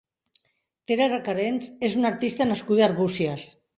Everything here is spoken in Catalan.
Tere Recarens és una artista nascuda a Arbúcies.